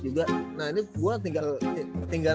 juga nah ini gue tinggal